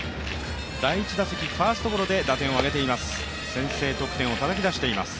第１打席ファーストゴロで打点を挙げています。